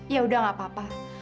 ya udah gak apa apa